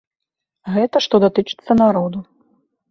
Гэта што датычыцца народу.